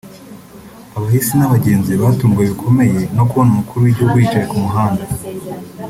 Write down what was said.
Abahisi n’abagenzi batunguwe bikomeye no kubona Umukuru w’Igihugu yicaye ku muhanda